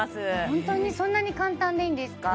ホントにそんなに簡単でいいんですか？